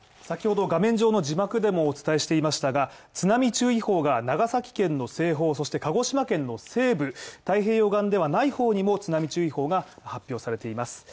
先ほど画面上の字幕でもお伝えしていましたが、津波注意報が長崎県の西方そして鹿児島県の西部太平洋側ではない方にも津波注意報が発表されています。